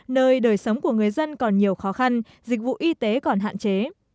nơi đời sống của người dân còn nhiều khó khăn dịch vụ y tế còn hạn chế